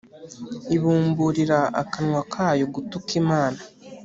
Ibumburira akanwa kayo gutuka Imana,